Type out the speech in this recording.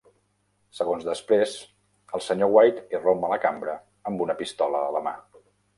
Segons després, el Sr. White irromp a la cambra amb una pistola a la mà.